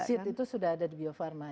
si itu sudah ada di biofarma